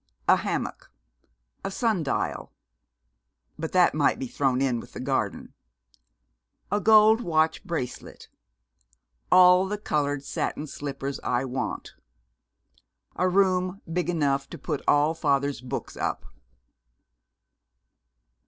A hammock. A sun dial. (But that might be thrown in with the garden.) A gold watch bracelet. All the colored satin slippers I want. A room big enough to put all father's books up.